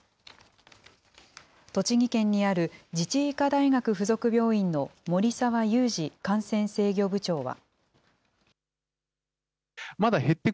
栃木県にある自治医科大学附属病院の森澤雄司感染制御部長は。